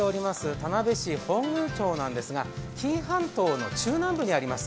田辺市本宮町なんですが紀伊半島の中南部にあります。